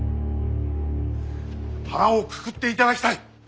腹をくくっていただきたい。